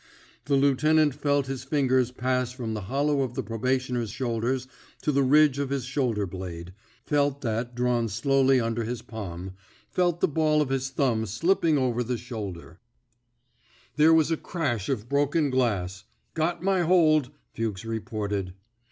The lieutenant felt his fingers pass from the hollow of the pro bationer's shoulders to the ridge of his shoulder blade — felt that drawn slowly under his palm — felt the ball of his thumb slipping over the shoulder. 28 THE BED INK SQUAD'' There was a crash of broken glass. Got my hold,'' Fnchs reported.